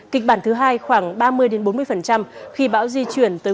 kịch bản thứ hai khoảng ba mươi bốn mươi khi bão di chuyển tới